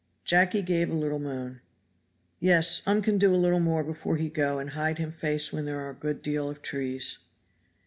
Jacky gave a little moan. "Yes, um can do a little more before he go and hide him face where there are a good deal of trees."